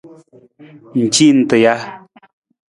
Ng ci nta ja?